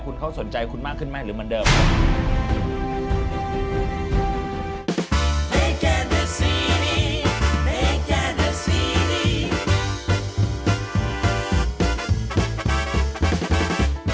คุณเค้าสนใจคุณมากขึ้นไหมอย่างเหมือนเดิม